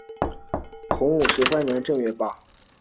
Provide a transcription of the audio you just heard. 洪武十三年正月罢。